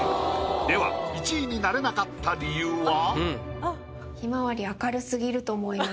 では１位になれなかった理由は？